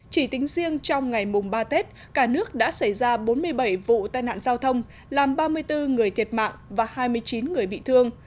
chỉ tính riêng trong ngày mùng ba tết cả nước đã xảy ra bốn mươi bảy vụ tai nạn giao thông làm ba mươi bốn người thiệt mạng và hai mươi chín người bị thương